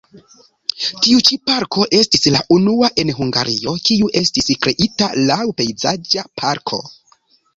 Tiu ĉi parko estis la unua en Hungario, kiu estis kreita laŭ pejzaĝa parko.